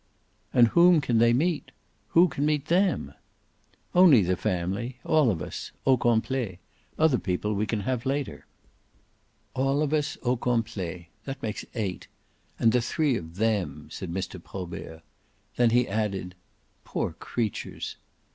"And whom can they meet who can meet THEM?" "Only the family all of us: au complet. Other people we can have later." "All of us au complet that makes eight. And the three of THEM," said Mr. Probert. Then he added: "Poor creatures!"